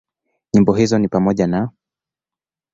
Nyimbo hizo ni pamoja na;